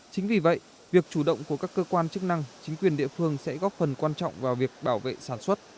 chính vì vậy việc chủ động của các cơ quan chức năng chính quyền địa phương sẽ góp phần quan trọng vào việc bảo vệ sản xuất